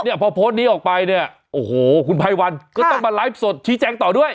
พอโพสต์นี้ออกไปเนี่ยโอ้โหคุณภัยวันก็ต้องมาไลฟ์สดชี้แจงต่อด้วย